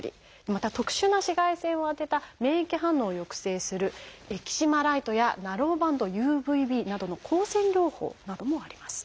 また特殊な紫外線を当てた免疫反応を抑制する「エキシマライト」や「ナローバンドＵＶＢ」などの光線療法などもあります。